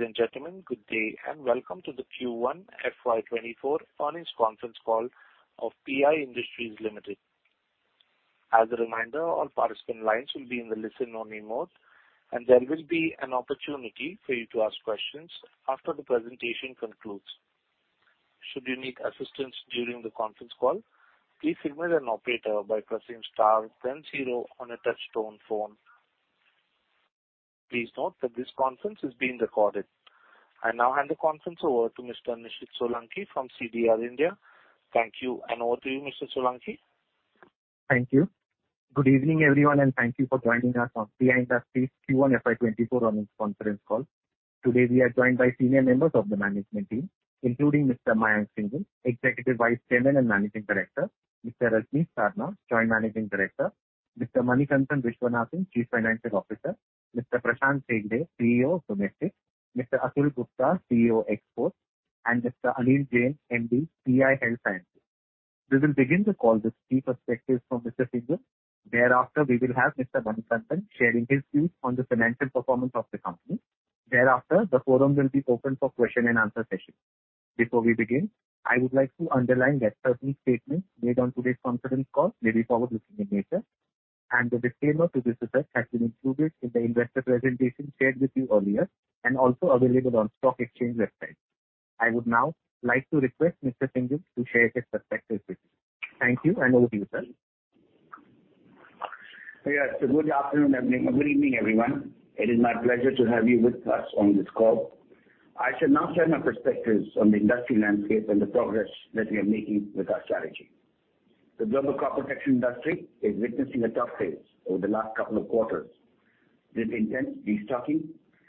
Ladies and gentlemen, good day, and welcome to the Q1 FY 2024 earnings conference call of PI Industries Limited. As a reminder, all participants lines will be in the listen-only mode, and there will be an opportunity for you to ask questions after the presentation concludes. Should you need assistance during the conference call, please signal an operator by pressing star then zero on a touch-tone phone. Please note that this conference is being recorded. I now hand the conference over to Mr. Nishid Solanki from CDR India. Thank you, and over to you, Mr. Solanki. Thank you. Good evening, everyone, and thank you for joining us on PI Industries Q1 FY 2024 earnings conference call. Today, we are joined by senior members of the management team, including Mr. Mayank Singhal, Executive Vice Chairman and Managing Director; Mr. Rajnish Sarna, Joint Managing Director; Mr. Manikantan Viswanathan, Chief Financial Officer; Mr. Prashant Shende, CEO, Domestic; Mr. Atul Gupta, CEO, Exports; and Mr. Anil Kumar Jain, MD, PI Health Sciences. We will begin the call with key perspectives from Mr. Singhal. Thereafter, we will have Mr. Manikantan sharing his views on the financial performance of the company. Thereafter, the forum will be open for question-and-answer session. Before we begin, I would like to underline that certain statements made on today's conference call may be forward-looking in nature. The disclaimer to this effect has been included in the investor presentation shared with you earlier and also available on Stock Exchange website. I would now like to request Mr. Singhal to share his perspectives with you. Thank you. Over to you, sir. Good afternoon, good evening, everyone. It is my pleasure to have you with us on this call. I shall now share my perspectives on the industry landscape and the progress that we are making with our strategy. The global crop protection industry is witnessing a tough phase over the last couple of quarters. This intense destocking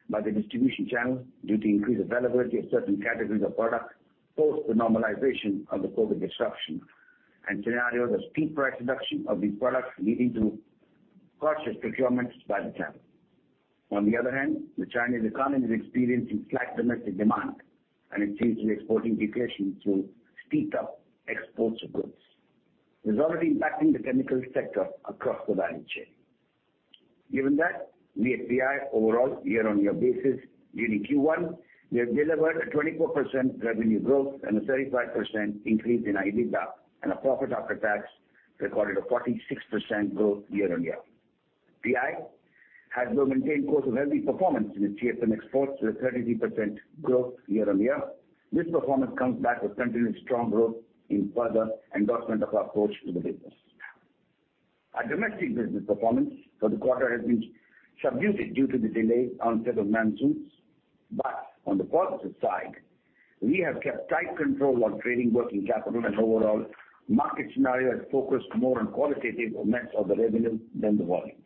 by the distribution channels due to increased availability of certain categories of products post the normalization of the COVID disruption and scenarios of steep price reduction of these products, leading to cautious procurements by the channel. On the other hand, the Chinese economy is experiencing flat domestic demand, and it seems to be exporting deflation to speed up exports of goods. This is already impacting the chemical sector across the value chain. Given that, we at PI, overall, year-on-year basis, during Q1, we have delivered a 24% revenue growth and a 35% increase in EBITDA and a profit after tax recorded a 46% growth year-on-year. PI has maintained course of healthy performance in its CFM exports with a 33% growth year-on-year. This performance comes back with continued strong growth in further endorsement of our approach to the business. Our domestic business performance for the quarter has been subdued due to the delay on set of monsoons. On the positive side, we have kept tight control on trading working capital and overall market scenario and focused more on qualitative elements of the revenue than the volumes.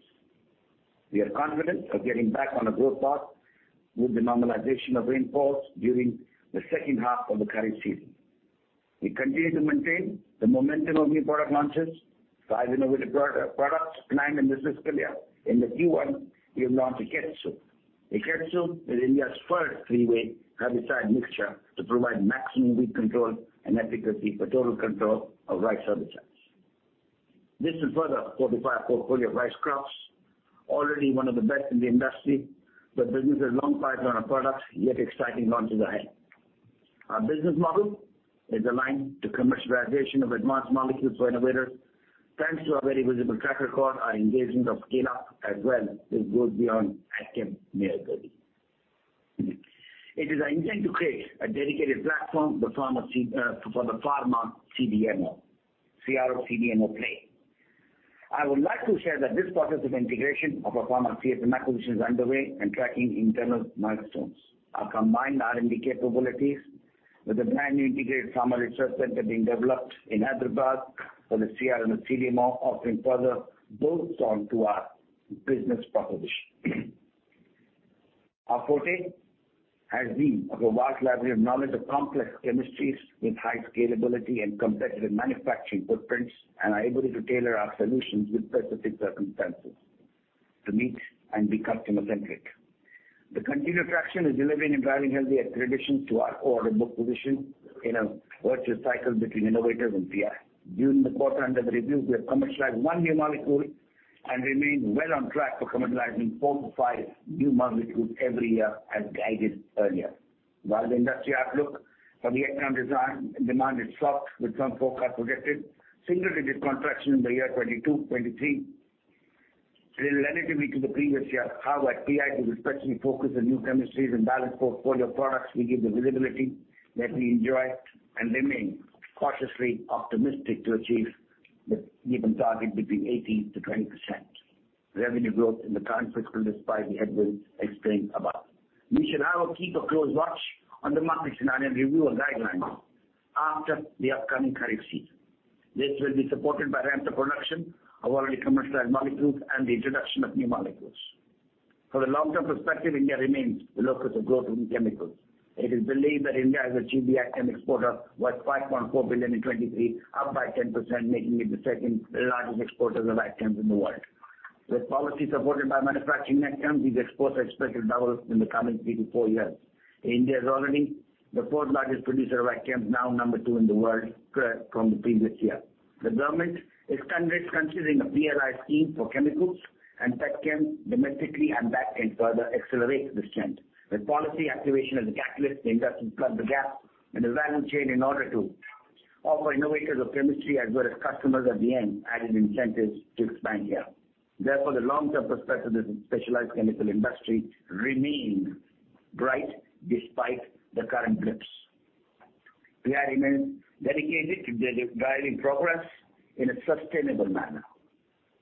We are confident of getting back on a growth path with the normalization of rainfalls during the second half of the current season. We continue to maintain the momentum of new product launches, five innovative pro-products, nine in the business earlier. In the Q1, we have launched Eketsu. Eketsu is India's first three-way herbicide mixture to provide maximum weed control and efficacy for total control of rice herbicides. This will further fortify our portfolio of rice crops, already one of the best in the industry, with businesses long pipeline of products, yet exciting launches ahead. Our business model is aligned to commercialization of advanced molecules for innovators. Thanks to our very visible track record, our engagements of scale up as well as goes beyond active near 30. It is our intent to create a dedicated platform, for the pharma CDMO, CRO CDMO play. I would like to share that this process of integration of our pharma CSM acquisition is underway and tracking internal milestones. Our combined R&D capabilities with a brand new integrated pharma research center being developed in Hyderabad for the CRM and CDMO offering further builds on to our business proposition. Our forte has been a vast library of knowledge of complex chemistries with high scalability and competitive manufacturing footprints, and are able to tailor our solutions with specific circumstances to meet and be customer-centric. The continued traction is delivering and driving healthy accreditation to our order book position in a virtual cycle between innovators and PI. During the quarter under review, we have commercialized 1 new molecule and remain well on track for commercializing four to five new molecules every year, as guided earlier. While the industry outlook for the demand is soft, with some forecast projected, single-digit contraction in the year 2022-2023 is relatively to the previous year. However, PI will especially focus on new chemistries and balanced portfolio of products will give the visibility that we enjoy and remain cautiously optimistic to achieve the given target between 18%-20% revenue growth in the current fiscal, despite the headwinds explained above. We shall, however, keep a close watch on the market scenario and review our guidelines after the upcoming current season. This will be supported by ramped up production of already commercialized molecules and the introduction of new molecules. For the long-term perspective, India remains the locus of growth in chemicals. It is believed that India has achieved the active exporter worth $5.4 billion in 2023, up by 10%, making it the second largest exporter of active in the world. With policy supported by manufacturing outcomes, these exports are expected to double in the coming three to four years. India is already the fourth-largest producer of active, now number two in the world, from the previous year. The government is considering a PLI scheme for chemicals and petchem domestically. That can further accelerate this trend. With policy activation as a catalyst, the industry plug the gap in the value chain in order to. Innovators of chemistry as well as customers at the end, adding incentives to expand here. The long-term perspective of the specialized chemical industry remains bright despite the current grips. We are remain dedicated to the driving progress in a sustainable manner.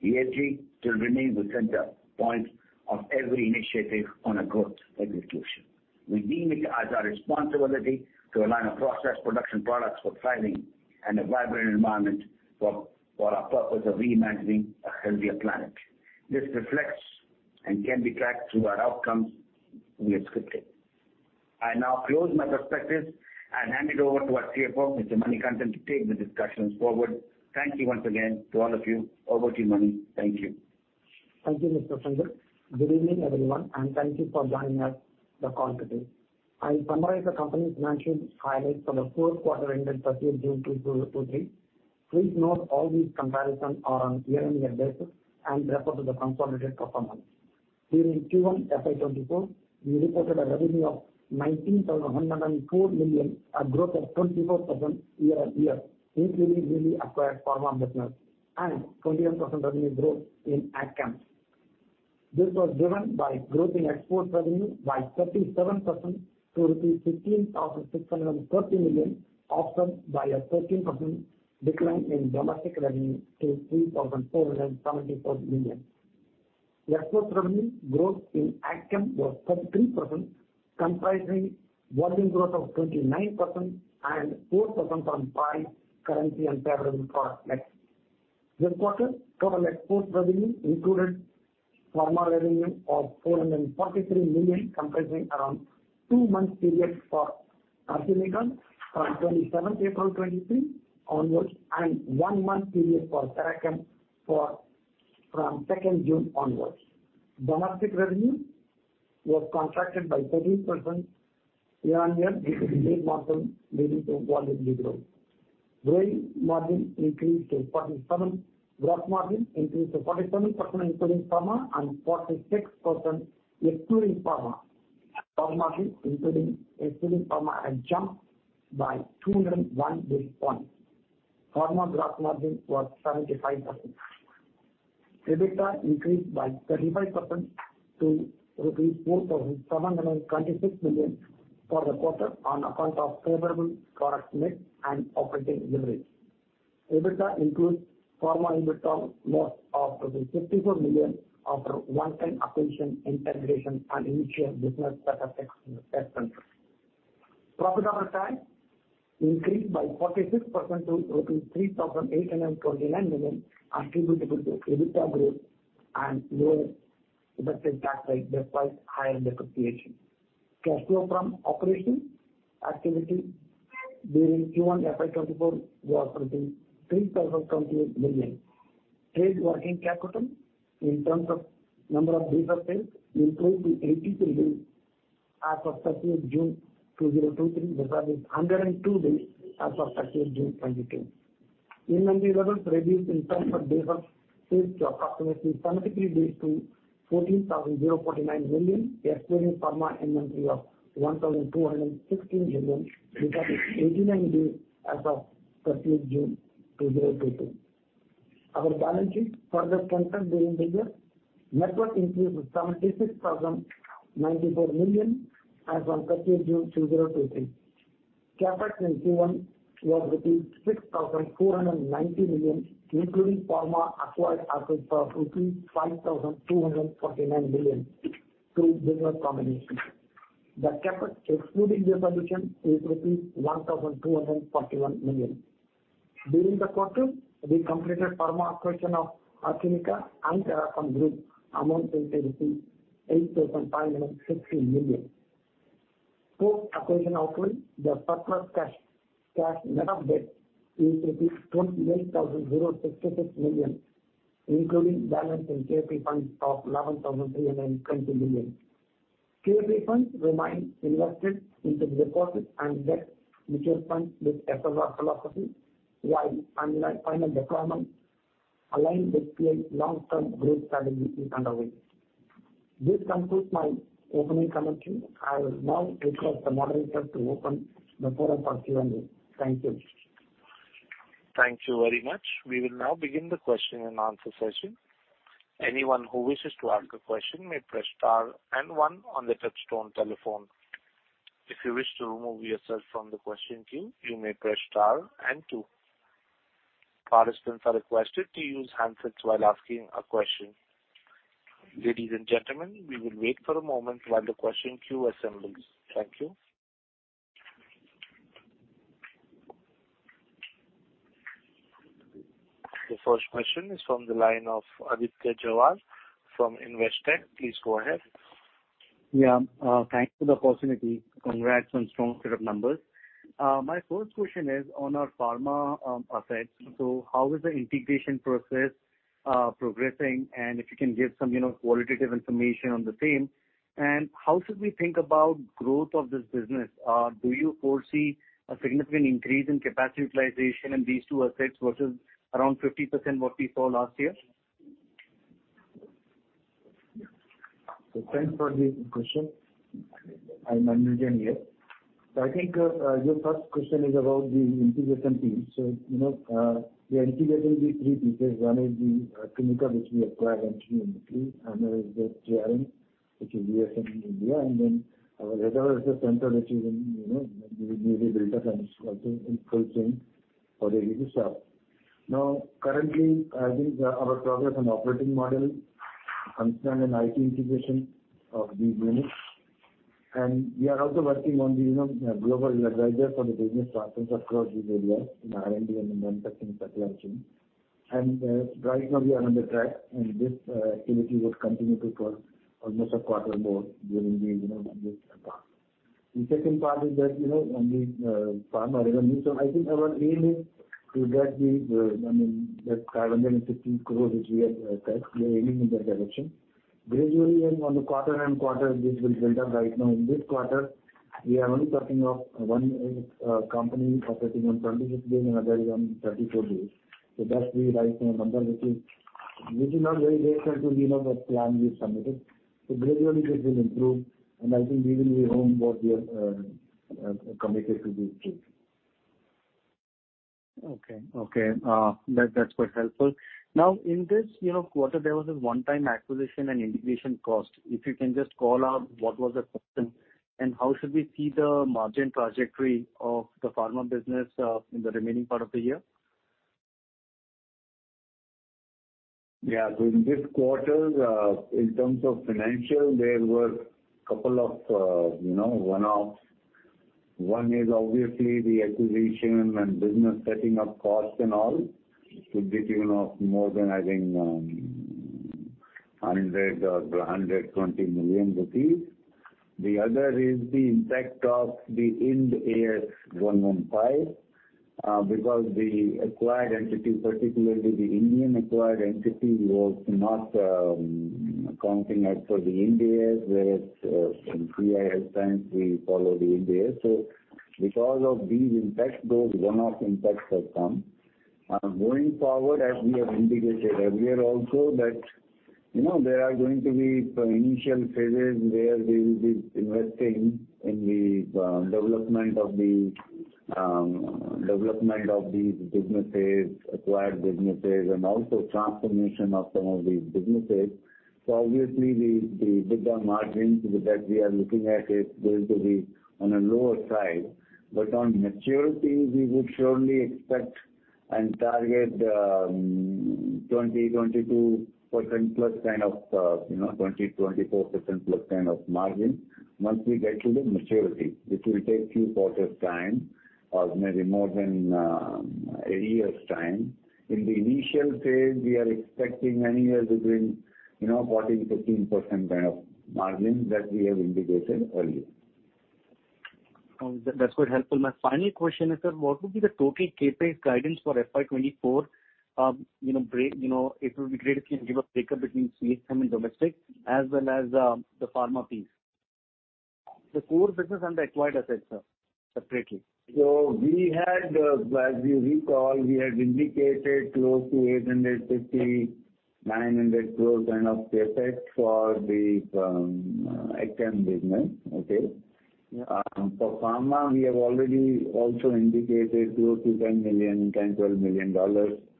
ESG will remain the center point of every initiative on a growth execution. We deem it as our responsibility to align our process, production, products for thriving and a vibrant environment for our purpose of reimagining a healthier planet. This reflects and can be tracked through our outcomes we have scripted. I now close my perspectives and hand it over to our CFO, Mr. Manikantan, to take the discussions forward. Thank you once again to all of you. Over to you, Mani. Thank you. Thank you, Mr. Sanjay. Good evening, everyone, and thank you for joining us the call today. I'll summarize the company's financial highlights for the fourth quarter ended June 30th 2023. Please note all these comparison are on year-on-year basis and refer to the consolidated performance. During Q1 FY 2024, we reported a revenue of 19,104 million, a growth of 24% year-on-year, including newly acquired pharma business, and 21% revenue growth in Agchem. This was driven by growth in export revenue by 37% to 16,630 million, offset by a 13% decline in domestic revenue to 3,474 million. Export revenue growth in Agchem was 33%, comprising volume growth of 29% and 4% from five currency and favorable product mix. This quarter, total export revenue included pharma revenue of 443 million, comprising around two months period for Archimica from 27th April 2023 onwards, and one month period for Therachem Research Medilab for, from June 2nd onwards. Domestic revenue was contracted by 13% year-on-year due to the base margin leading to volume growth. Growing margin increased to 47, gross margin increased to 47%, including pharma, and 46% excluding pharma. Pharma, including pharma, had jumped by 201 basis points. Pharma gross margin was 75%. EBITDA increased by 35% to INR 4,726 million for the quarter on account of favorable product mix and operating leverage. EBITDA includes pharma EBITDA loss of 54 million after one-time acquisition, integration, and initial business setup ex-expense. Profit after tax increased by 46% to rupees 3,849 million, attributable to EBITDA growth and lower effective tax rate, despite higher depreciation. Cash flow from operating activity during Q1 FY2024 was 3,028 million. Trade working capital in terms of number of days of sales increased to 83 days as of June 30th, 2023, compared with 102 days as of June 30th, 2022. Inventory levels reduced in terms of days of sales to approximately 73 days to 14,049 million, excluding pharma inventory of 1,216 million, compared to 89 days as of June 30th, 2022. Our balance sheet further strengthened during the year. Net worth increased to 76,094 million as on June 30th, 2023. CapEx in Q1 was 6,490 million, including pharma acquired assets of rupees 5,249 million through business combination. The CapEx, excluding the acquisition, is rupees 1,241 million. During the quarter, we completed pharma acquisition of Archimica and Therachem group, amounting to 8,560 million. Post acquisition outflow, the surplus cash, cash net of debt is INR 28,066 million, including balance in QIP funds of 11,320 million. QIP funds remain invested into deposits and debt mutual funds with SLR philosophy, while final deployment aligned with PI's long-term growth strategy is underway. This concludes my opening comments. I will now request the moderator to open the floor for Q&A. Thank you. Thank you very much. We will now begin the question and answer session. Anyone who wishes to ask a question may press star and one on the touchtone telephone. If you wish to remove yourself from the question queue, you may press star and two. Participants are requested to use handsets while asking a question. Ladies and gentlemen, we will wait for a moment while the question queue assembles. Thank you. The first question is from the line of Aditya Jhawar from Investec. Please go ahead. Yeah, thanks for the opportunity. Congrats on strong set of numbers. My first question is on our pharma assets. How is the integration process progressing? If you can give some, you know, qualitative information on the same. How should we think about growth of this business? Do you foresee a significant increase in capacity utilization in these two assets versus around 50% what we saw last year? Thanks for the question. I'm Anujan here. I think, your first question is about the integration team. You know, we are integrating the three pieces. One is the clinical, which we acquired entry, and there is the GRN, which is U.S. and India, and then our center, which is, you know, we build up and also in full chain for the business staff. Currently, I think our progress and operating model, understand an IT integration of these units. We are also working on the, you know, global level for the business partners across these areas, in R&D and manufacturing. Right now, we are on the track, and this activity would continue to for almost a quarter more during the, you know, this path. The second part is that, you know, on the pharma revenue, I think our aim is to get the, I mean, the INR 550 crore, which we have set, we are aiming in that direction. Gradually, on the quarter and quarter, this will build up right now. In this quarter, we are only talking of one company operating on 26 days, another on 34 days. That's the right number, which is, which is not very less than to, you know, the plan we submitted. Gradually, this will improve, and I think we will be home what we are committed to this team. Okay, okay, that, that's quite helpful. Now, in this, you know, quarter, there was a one-time acquisition and integration cost. If you can just call out what was the cost, and how should we see the margin trajectory of the pharma business, in the remaining part of the year? So in this quarter, in terms of financial, there were two, you know, one-offs. One is obviously the acquisition and business setting up costs and all, to be, you know, more than, I think, 100 million rupees or 120 million rupees. The other is the impact of the Ind AS 115, because the acquired entity, particularly the Indian acquired entity, was not accounting as per the Ind AS, whereas in CIS times, we follow the Ind AS. Because of these impacts, those one-off impacts have come. Going forward, as we have indicated earlier also, that, you know, there are going to be some initial phases where we will be investing in the development of the development of these businesses, acquired businesses, and also transformation of some of these businesses. Obviously, the bigger margins that we are looking at is going to be on a lower side. On maturity, we would surely expect and target 20%-22%+ kind of, you know, 20%-24%+ kind of margin once we get to the maturity, which will take few quarters time, or maybe more than a year's time. In the initial phase, we are expecting anywhere between, you know, 14%-15% kind of margins that we have indicated earlier. That's quite helpful. My final question is, sir, what would be the total CapEx guidance for FY 2024? Break, it would be great if you give a breakup between CSM and domestic, as well as, the pharma piece. The core business and the acquired assets, sir, separately. We had, as you recall, we had indicated close to 850- 900 crore kind of CapEx for the CSM business, okay. Yeah. For pharma, we have already also indicated close to $10 million-$12 million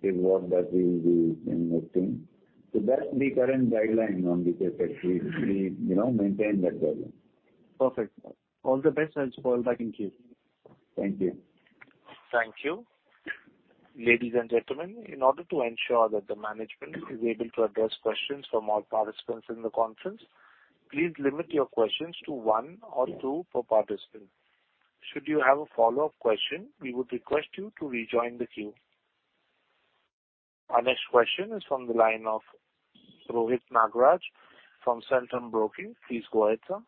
is what that we will be investing. That's the current guideline on the CapEx. We, you know, maintain that guideline. Perfect. All the best. I'll call back in queue. Thank you. Thank you. Ladies and gentlemen, in order to ensure that the management is able to address questions from all participants in the conference, please limit your questions to one or two per participant. Should you have a follow-up question, we would request you to rejoin the queue. Our next question is from the line of Rohit Nagaraj from Centrum Broking. Please go ahead, sir.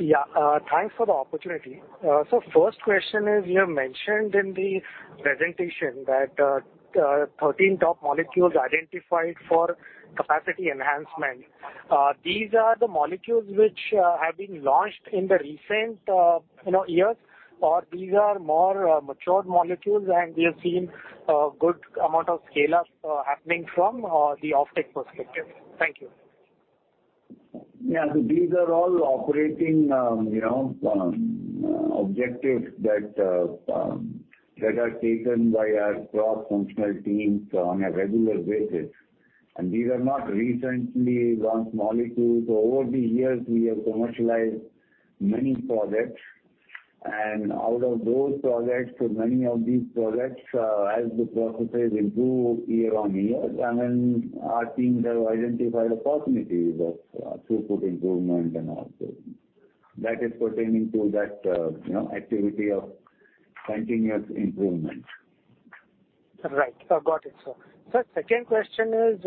Yeah, thanks for the opportunity. First question is, you have mentioned in the presentation that 13 top molecules identified for capacity enhancement. These are the molecules which have been launched in the recent, you know, years, or these are more mature molecules, and we have seen a good amount of scale-up happening from the offtake perspective. Thank you. Yeah, these are all operating, you know, objectives that are taken by our cross-functional teams on a regular basis, and these are not recently launched molecules. Over the years, we have commercialized many products, and out of those products, so many of these products, as the processes improve year on year, and then our teams have identified opportunities of throughput improvement and all. That is pertaining to that, you know, activity of continuous improvement. Right. I've got it, sir. Sir, second question is,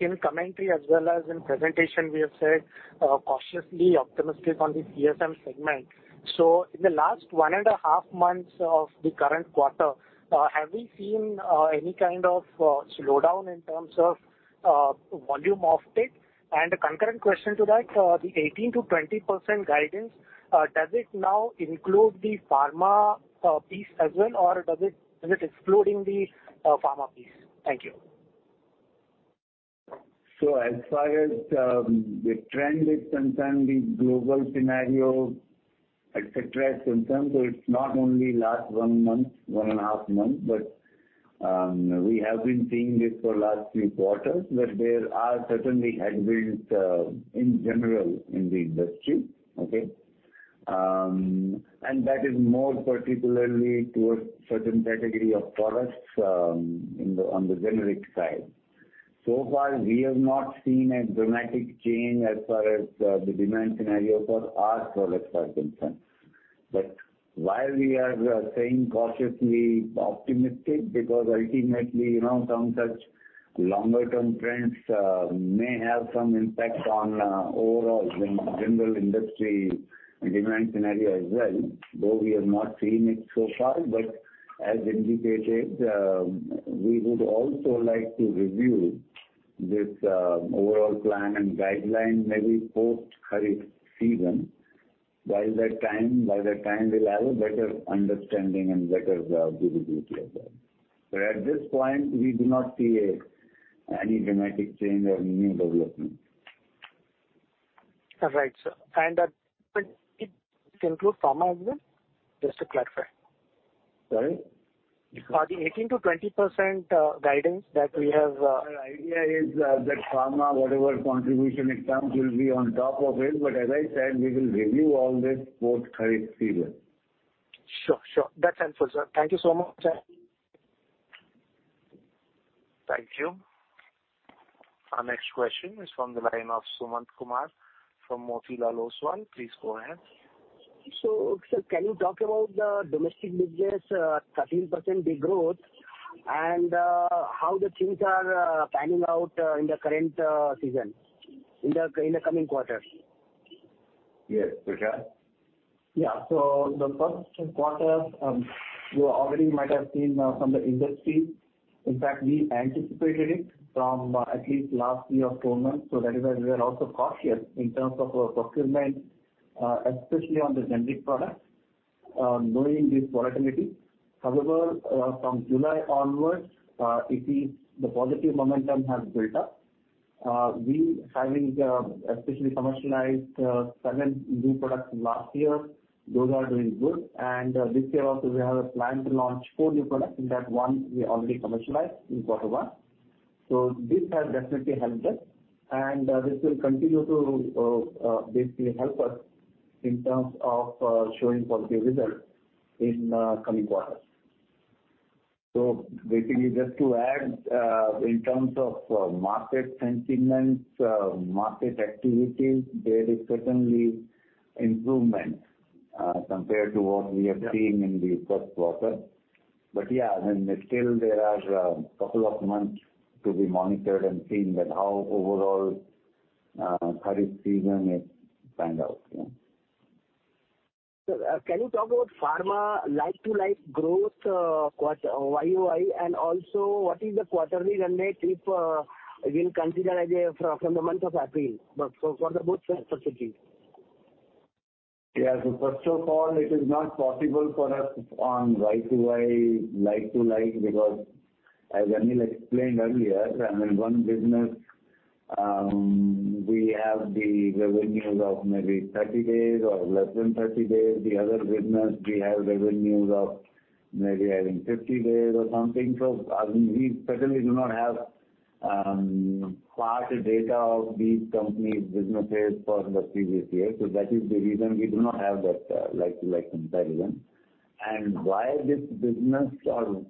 in commentary as well as in presentation, we have said, cautiously optimistic on the CSM segment. So in the last one and a half months of the current quarter, have we seen any kind of slowdown in terms of volume offtake? A concurrent question to that, the 18%-20% guidance, does it now include the pharma piece as well, or does it, is it excluding the pharma piece? Thank you.... As far as the trend is concerned, the global scenario, et cetera, is concerned, it's not only last one month, 1.5 months, but we have been seeing this for last three quarters, that there are certainly headwinds in general in the industry. Okay? That is more particularly towards certain category of products in the, on the generic side. So far, we have not seen a dramatic change as far as the demand scenario for our products are concerned. Why we are saying cautiously optimistic, because ultimately, you know, some such longer term trends may have some impact on overall general industry demand scenario as well, though we have not seen it so far. As indicated, we would also like to review this overall plan and guideline, maybe post Kharif season. By that time, by that time, we'll have a better understanding and better visibility as well. At this point, we do not see a, any dramatic change or new development. All right, sir. That include pharma as well? Just to clarify. Sorry. For the 18%-20% guidance that we have. Our idea is that, that pharma, whatever contribution it comes, will be on top of it. As I said, we will review all this post Kharif season. Sure, sure. That's helpful, sir. Thank you so much, sir. Thank you. Our next question is from the line of Sumant Kumar from Motilal Oswal. Please go ahead. Sir, can you talk about the domestic business, 13% degrowth, and how the things are panning out in the current season, in the coming quarters? Yes, Nikhil. Yeah. The first quarter, you already might have seen from the industry. In fact, we anticipated it from at least last year, 12 months. That is why we are also cautious in terms of our procurement, especially on the generic products, knowing this volatility. However, from July onwards, the positive momentum has built up. We having, especially commercialized, seven new products last year, those are doing good. This year also, we have a plan to launch four new products, in that one we already commercialized in quarter one. This has definitely helped us, and this will continue to, basically help us in terms of, showing positive results in, coming quarters. Basically, just to add, in terms of market sentiments, market activities, there is certainly improvement, compared to what we have seen... Yeah. In the first quarter. Yeah, I mean, still there are couple of months to be monitored and seen that how overall Kharif season it pan out. Yeah. Sir, can you talk about pharma like-to-like growth, quarter, YOY, and also what is the quarterly run rate if, we'll consider as a, from, from the month of April, but for, for the both entities? Yeah. First of all, it is not possible for us on YOY, like-to-like, because as Anil explained earlier, I mean, one business, we have the revenues of maybe 30 days or less than 30 days, the other business we have revenues of maybe, I think, 50 days or something. We certainly do not have past data of these companies' businesses for the previous year. That is the reason we do not have that like-to-like comparison. And why this business or,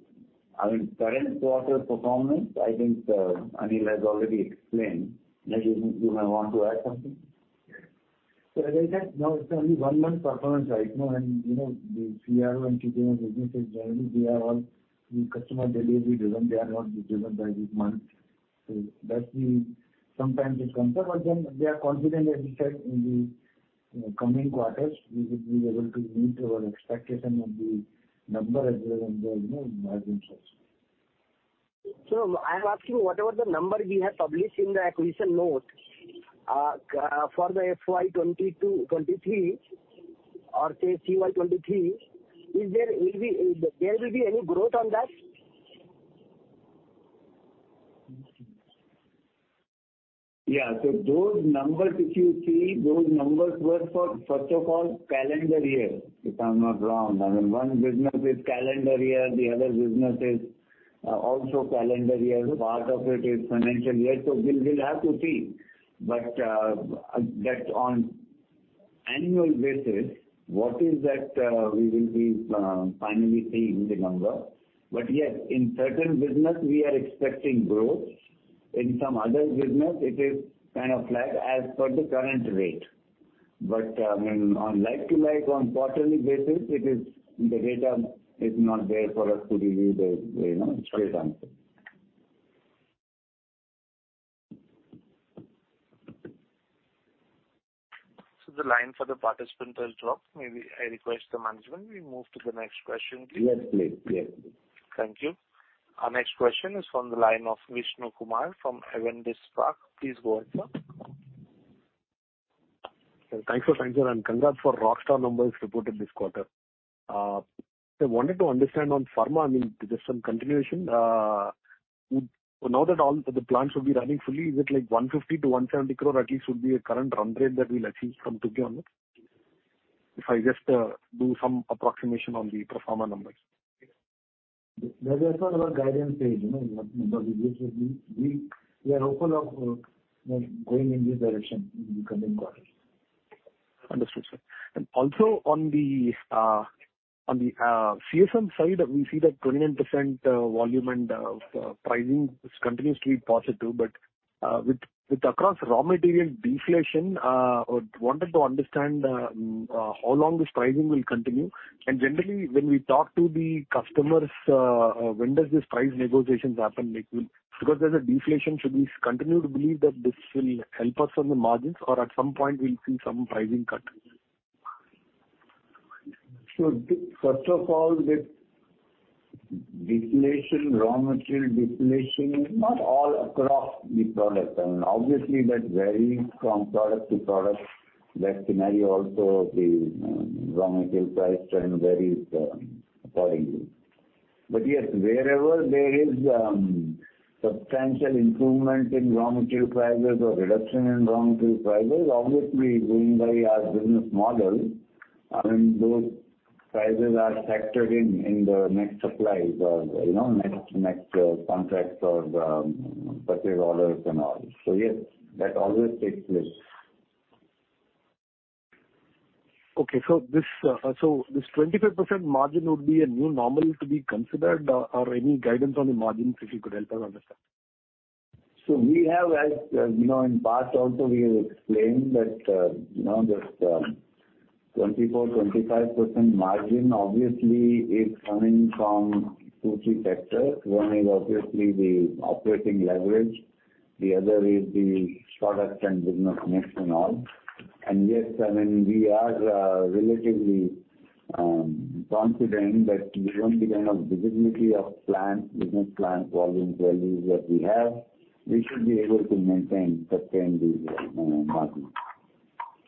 I mean, current quarter performance, I think Anil has already explained. Maybe you may want to add something? As I said, now it's only 1 month performance right now, and you know, the CRO and CDMO businesses, generally, they are all the customer delivery driven, they are not driven by the month. That's the-- sometimes it comes up, but then they are confident, as we said, in the coming quarters, we would be able to meet our expectation of the number as well as the, you know, margins also. I am asking, whatever the number we have published in the acquisition note, for the FY 2022-FY2023, or say CY 2023, is there will be... There will be any growth on that? Yeah. Those numbers, if you see, those numbers were for, first of all, calendar year, if I'm not wrong. I mean, one business is calendar year, the other business is also calendar year. Part of it is financial year, so we'll, we'll have to see. That on annual basis, what is that we will be finally seeing the number. Yes, in certain business, we are expecting growth. In some other business, it is kind of flat as per the current rate. I mean, on like-to-like, on quarterly basis, it is, the data is not there for us to give you the, you know, straight answer. The line for the participant will drop. Maybe I request the management, we move to the next question, please. Yes, please. Clear. Thank you. Our next question is from the line of Vishnu Kumar from Avendus Alt. Please go ahead, sir. Thanks, sir. Thanks, sir, and congrats for rockstar numbers reported this quarter. I wanted to understand on pharma, I mean, just some continuation. Now that all the plants will be running fully, is it like 150 crore-170 crore at least would be a current run rate that we'll achieve from Tuki on it? If I just do some approximation on the pro forma numbers. That, that's not our guidance page, you know, but we, we are open of, you know, going in this direction in the coming quarters. Understood, sir. Also on the on the CSM side, we see that 29% volume and pricing continues to be positive. With with across raw material deflation, I wanted to understand how long this pricing will continue. Generally, when we talk to the customers, when does this price negotiations happen, like, because there's a deflation, should we continue to believe that this will help us on the margins, or at some point we'll see some pricing cut? First of all, with deflation, raw material deflation, is not all across the product, and obviously, that varies from product to product. That scenario also, the raw material price trend varies accordingly. Yes, wherever there is substantial improvement in raw material prices or reduction in raw material prices, obviously, going by our business model, I mean, those prices are factored in, in the next supplies or, you know, next, next contracts or the purchase orders and all. Yes, that always takes place. Okay, this, so this 25% margin would be a new normal to be considered, or any guidance on the margins, if you could help us understand? We have, as, you know, in the past also, we have explained that, you know, this 24%-25% margin obviously is coming from 2, 3 factors. One is obviously the operating leverage, the other is the product and business mix and all. Yes, I mean, we are relatively confident that given the kind of visibility of plans, business plans, volumes, values that we have, we should be able to maintain, sustain the margin.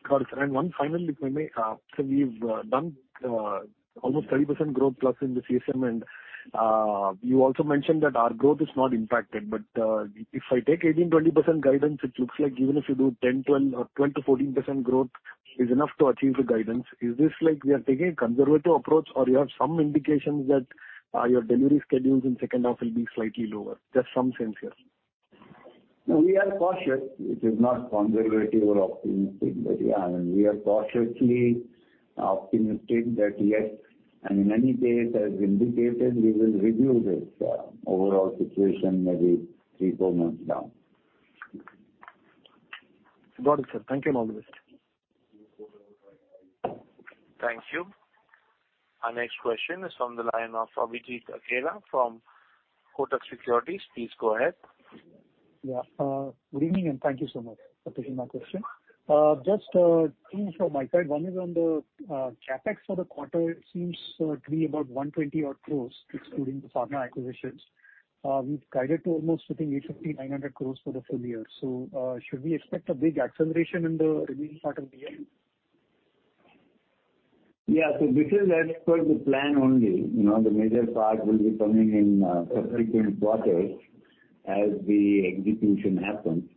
Got it, sir. One final, if I may. We've done almost 30% growth plus in the CSM, and you also mentioned that our growth is not impacted. If I take 18%-20% guidance, it looks like even if you do 10%-12% or 12%-14% growth is enough to achieve the guidance. Is this like we are taking a conservative approach, or you have some indications that your delivery schedules in second half will be slightly lower? Just some sense, here. No, we are cautious. It is not conservative or optimistic, but, yeah, I mean, we are cautiously optimistic that, yes, and in any case, as indicated, we will review this overall situation maybe three, four months down. Got it, sir. Thank you. All the best. Thank you. Our next question is from the line of Abhijit Akella from Kotak Securities. Please go ahead. Yeah, good evening, thank you so much for taking my question. Just, two from my side. One is on the CapEx for the quarter. It seems to be about 120 odd crore, excluding the pharma acquisitions. We've guided to almost, I think, 850-900 crore for the full year. Should we expect a big acceleration in the remaining part of the year? Yeah. This is as per the plan only. You know, the major part will be coming in subsequent quarters as the execution happens.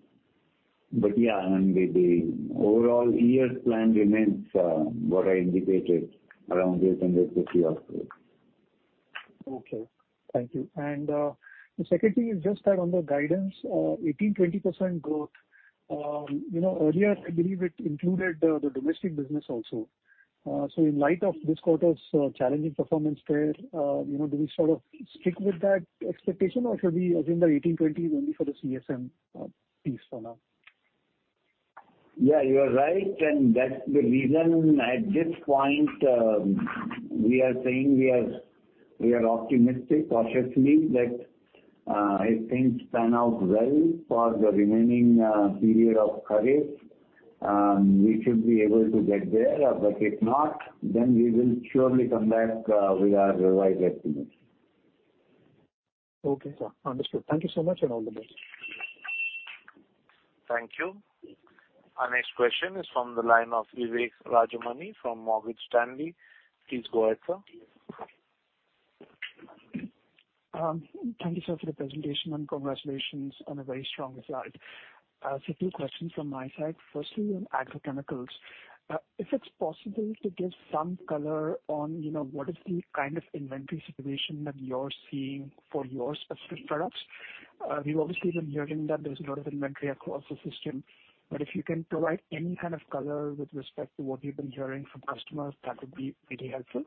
Yeah, I mean, the overall year plan remains what I indicated, around INR 850 odd crore. Okay, thank you. The second thing is just that on the guidance, 18%-20% growth. You know, earlier, I believe it included the, the domestic business also. In light of this quarter's challenging performance there, you know, do we sort of stick with that expectation, or should we assume the 18%-20% is only for the CSM piece for now? Yeah, you are right. That's the reason at this point, we are saying we are, we are optimistic cautiously that, if things pan out well for the remaining period of current, we should be able to get there. If not, then we will surely come back with our revised estimates. Okay, sir. Understood. Thank you so much. All the best. Thank you. Our next question is from the line of Vivek Rajamani from Morgan Stanley. Please go ahead, sir. Thank you, sir, for the presentation, congratulations on a very strong result. A few questions from my side. Firstly, on agrochemicals, if it's possible to give some color on, you know, what is the kind of inventory situation that you're seeing for your specific products. We've obviously been hearing that there's a lot of inventory across the system, but if you can provide any kind of color with respect to what you've been hearing from customers, that would be really helpful.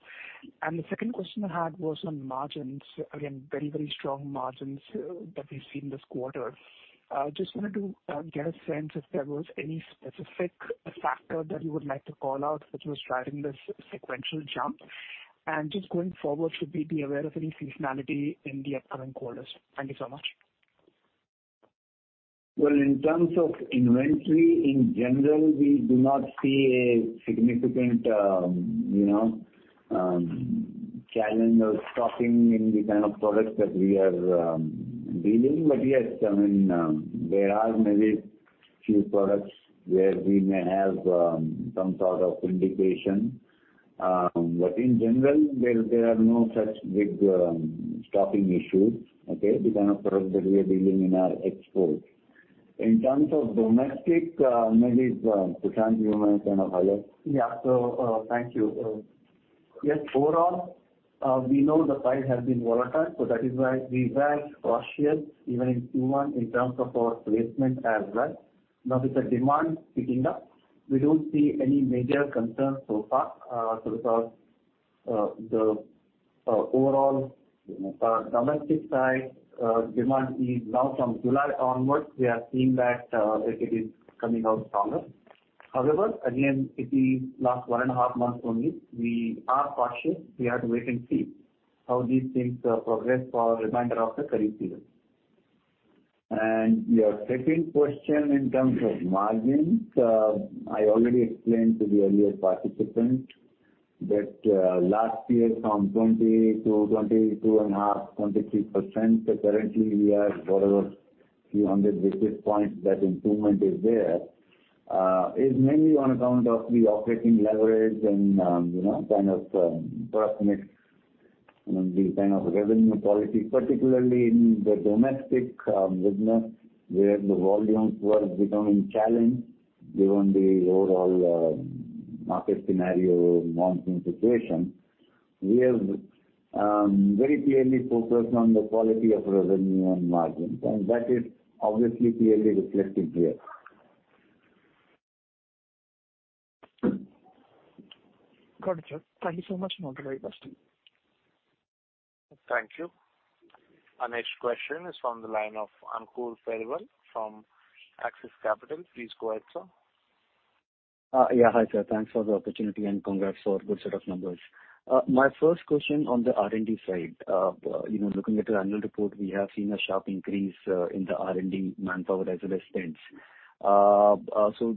The second question I had was on margins. Again, very, very strong margins that we've seen this quarter. Just wanted to get a sense if there was any specific factor that you would like to call out, which was driving this sequential jump. Just going forward, should we be aware of any seasonality in the upcoming quarters? Thank you so much. Well, in terms of inventory, in general, we do not see a significant, you know, challenge of stopping in the kind of products that we are dealing. Yes, I mean, there are maybe few products where we may have some sort of indication. In general, there are no such big stopping issues, okay? The kind of products that we are dealing in our exports. In terms of domestic, maybe, Prashant, you may kind of highlight. Yeah. Thank you. Yes, overall, we know the price has been volatile, so that is why we were cautious, even in Q1, in terms of our placement as well. Now, with the demand picking up, we don't see any major concerns so far, so because the overall domestic side demand is now from July onwards, we are seeing that it is coming out stronger. However, again, it is last 1.5 months only. We are cautious. We have to wait and see how these things progress for remainder of the current period. Your second question in terms of margins, I already explained to the earlier participant that last year from 20%-22.5%, 23%. Currently, we are whatever few hundred basis points that improvement is there, is mainly on account of the operating leverage and, you know, kind of, product mix, and the kind of revenue policy, particularly in the domestic business, where the volumes were becoming challenged given the overall market scenario, monsoon situation. We have very clearly focused on the quality of revenue and margins, and that is obviously clearly reflected here. Got it, sir. Thank you so much. No further questions. Thank you. Our next question is from the line of Ankur Periwal from Axis Capital. Please go ahead, sir. Yeah, hi, sir. Thanks for the opportunity, and congrats for good set of numbers. My first question on the R&D side. You know, looking at the annual report, we have seen a sharp increase in the R&D manpower as well as spends.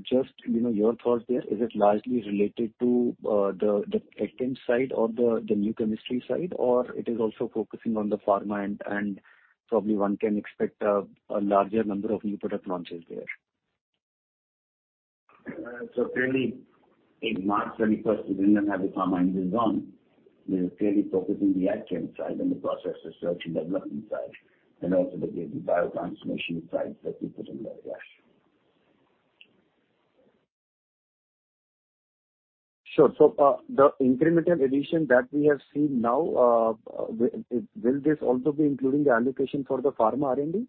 Just, you know, your thoughts there, is it largely related to the Agchem side or the new chemistry side, or it is also focusing on the pharma? Probably one can expect a larger number of new product launches there. Clearly, in March 21st, we didn't have the pharma business on. We were clearly focusing the Agchem side and the process research and development side, and also the biotransformation side that we put in there, yes. Sure. The incremental addition that we have seen now, will this also be including the allocation for the pharma R&D?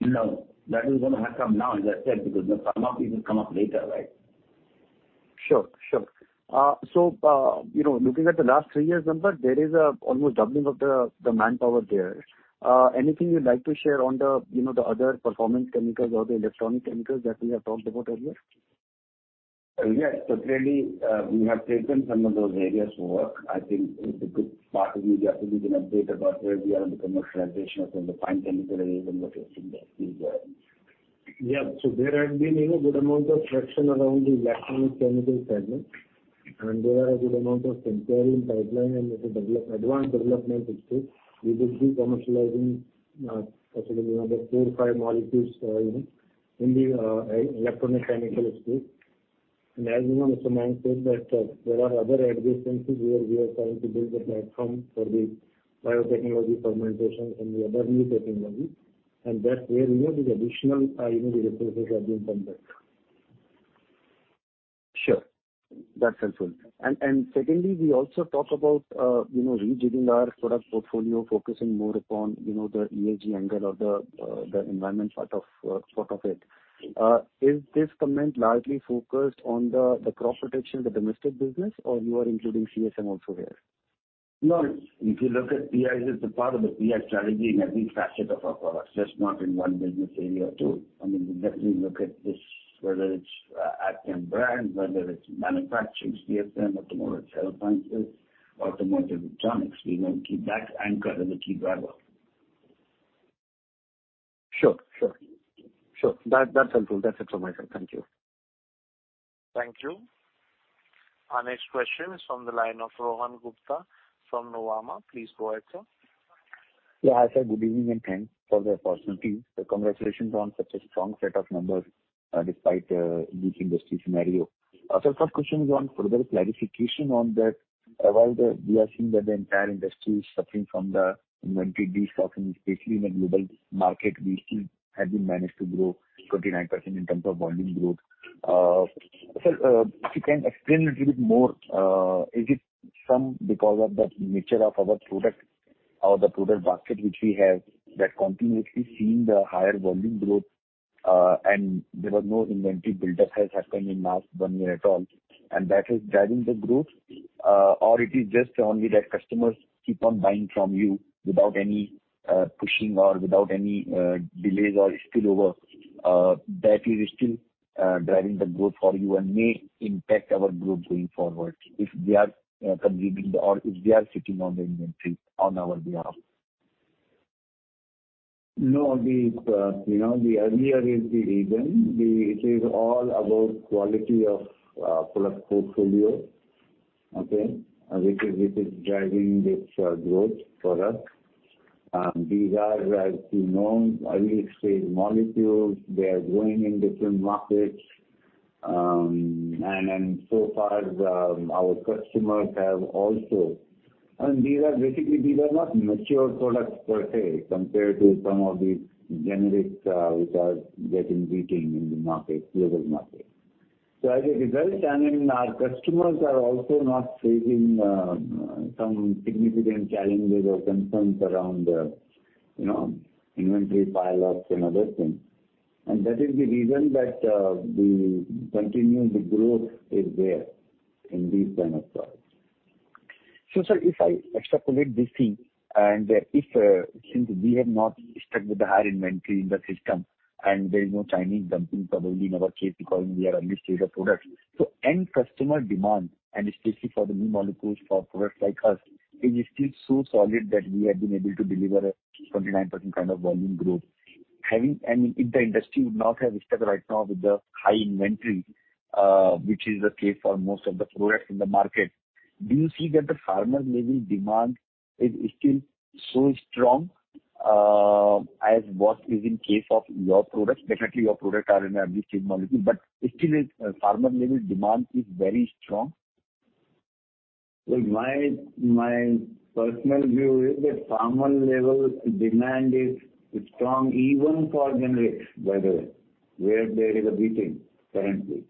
No, that is going to come now, as I said, because the pharma business come up later, right? Sure, sure. You know, looking at the last three years number, there is a almost doubling of the, the manpower there. Anything you'd like to share on the, you know, the other performance chemicals or the electronic chemicals that we have talked about earlier? Yes. Clearly, we have taken some of those areas to work. I think it's a good part of we definitely can update about where we are in the commercialization of the fine chemical area. Yeah. There has been, you know, a good amount of traction around the electronic chemical segment, and there are a good amount of inquiry in pipeline and with the advanced development history. We will be commercializing, possibly another 4 or 5 molecules in the electronic chemical space. As you know, Mr. Nair said that there are other adjacencies where we are trying to build a platform for the biotechnology fermentation and the other new technology, and that's where, you know, the additional, you know, the resources have been come back. Sure. That's helpful. Secondly, we also talk about, you know, rejigging our product portfolio, focusing more upon, you know, the EAG angle or the environment part of part of it. Is this comment largely focused on the crop protection, the domestic business, or you are including CSM also here? No. If you look at, it's a part of the PI strategy in every facet of our products, just not in one business area or two. I mean, we definitely look at this, whether it's Agchem brand, whether it's manufacturing CSM, automotive cell punches, automotive electronics. We will keep that anchor as a key driver. Sure. Sure. Sure. That, that's helpful. That's it from my side. Thank you. Thank you. Our next question is from the line of Rohan Gupta from Nuvama. Please go ahead, sir. Yeah. Hi, sir, good evening, thanks for the opportunity. Congratulations on such a strong set of numbers, despite this industry scenario. First question is on further clarification on that. While we are seeing that the entire industry is suffering from the inventory stock, especially in the global market, we still have been managed to grow 39% in terms of volume growth. Sir, if you can explain a little bit more, is it some because of the nature of our product or the product basket which we have, that continuously seeing the higher volume growth, there was no inventory buildup has happened in last one year at all, that is driving the growth? Or it is just only that customers keep on buying from you without any pushing or without any delays or spillover, that is still driving the growth for you and may impact our growth going forward if they are consuming or if they are sitting on the inventory on our behalf? No, you know, the earlier is the reason. It is all about quality of product portfolio, okay? Which is, which is driving this growth for us. These are, as you know, early-stage molecules. They are growing in different markets. So far, our customers have also, these are basically, these are not mature products per se, compared to some of the generics, which are getting beating in the market, global market. As a result, I mean, our customers are also not facing some significant challenges or concerns around, you know, inventory pileups and other things. That is the reason that the continuing the growth is there in these kind of products. Sir, if I extrapolate this thing, and if since we have not stuck with the higher inventory in the system, and there is no Chinese dumping probably in our case because we are early-stage of products. End customer demand, and especially for the new molecules for products like us, is still so solid that we have been able to deliver a 29% kind of volume growth. Having, I mean, if the industry would not have stuck right now with the high inventory, which is the case for most of the products in the market, do you see that the farmer maybe demand is still so strong, as what is in case of your products? Definitely, your product are in early-stage molecule, but still is, farmer level demand is very strong. Well, my, my personal view is that farmer level demand is strong even for generics, by the way, where there is a beating currently.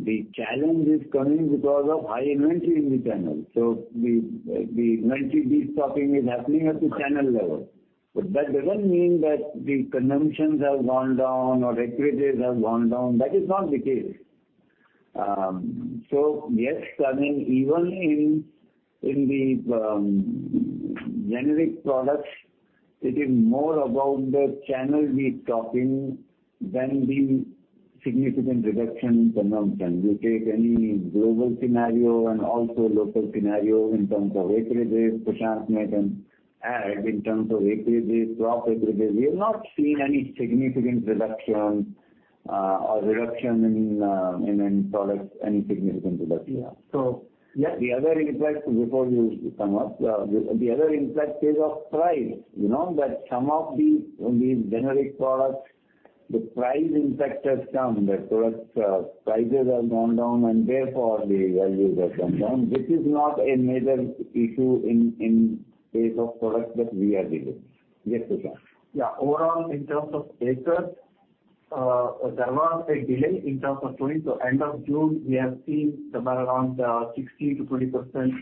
The challenge is coming because of high inventory in the channel. The, the inventory destocking is happening at the channel level. That doesn't mean that the consumptions have gone down or acreages have gone down. That is not the case. Yes, I mean, even in, in the generic products, it is more about the channel destocking than the significant reduction in consumption. You take any global scenario and also local scenario in terms of acreages, Prashant may then add in terms of acreages, crop acreages. We have not seen any significant reduction, or reduction in, in products, any significant reduction. Yeah, the other impact, before you come up, the, the other impact is of price. You know that some of the, the generic products, the price impact has come. The products, prices have gone down, and therefore the values have come down. This is not a major issue in, in case of products that we are dealing. Yes, Prashant. Overall, in terms of acres, there was a delay in terms of sowing. End of June, we have seen somewhere around 60%-20%